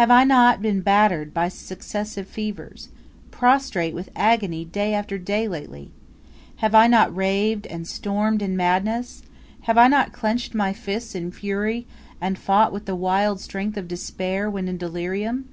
Have I not been battered by successive fevers, prostrate with agony day after day lately? Have I not raved and stormed in madness? Have I not clenched my fists in fury, and fought with the wild strength of despair when in delirium?